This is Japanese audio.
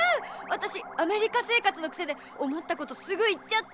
私アメリカ生活の癖で思ったことすぐ言っちゃって！